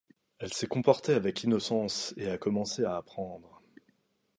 Elle s’est comportée avec innocence et a commencé à apprendre.